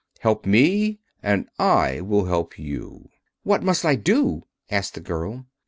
Help me and I will help you." "What must I do?" asked the girl.